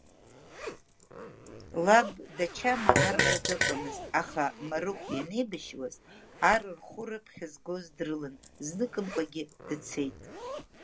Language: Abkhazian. Лаб Дачама арра дыҟамызт, аха Марыхә ианеибашьуаз ар рхәы-рыԥхь згоз дрылан, зныкымкәагьы дцеит.